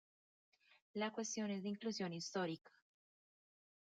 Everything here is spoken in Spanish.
La cuestión es de inclusión histórica.